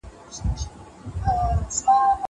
زه پرون د ښوونځی لپاره امادګي نيسم وم.